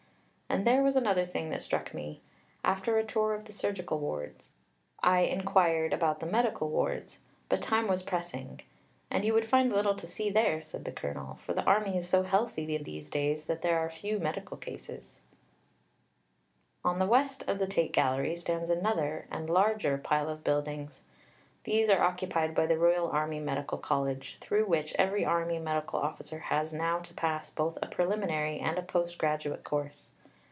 And there was another thing that struck me. After a tour of the surgical wards, I inquired about the medical wards; but time was pressing, "and you would find little to see there," said the Colonel, "for the Army is so healthy in these days that there are few medical cases." It should perhaps be explained that venereal cases are treated in a separate hospital. On the west of the Tate Gallery stands another, and a larger, pile of buildings. These are occupied by the Royal Army Medical College, through which every Army Medical Officer has now to pass both a preliminary and a post graduate course.